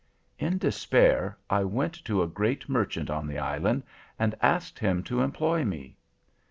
"In despair I went to a great merchant on the island, and asked him to employ me.